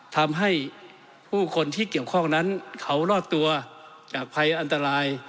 ทำให้ผู้คนที่เกี่ยวข้องนั้นเขารอดตัวจากภัยอันตราย